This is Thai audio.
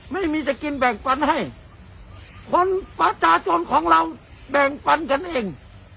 ไม่มีจะกินแบ่งปันให้คนประชาชนของเราแบ่งปันกันเอง